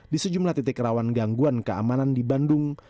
di sejumlah titik rawan gangguan keamanan di bandung